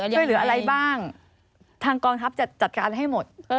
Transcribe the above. ช่วยเหลืออะไรบ้างทางกองทัพจะจัดการให้หมด